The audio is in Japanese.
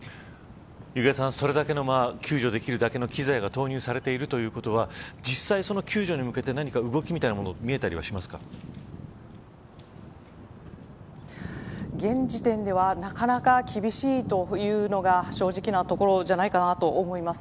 弓削さん、これでそれだけの救助できるだけの機材が投入されているということは実際、救助に向けて動きみたいなものは現時点ではなかなか厳しいというのが正直なところじゃないかなと思います。